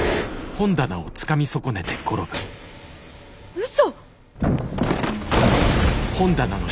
うそ！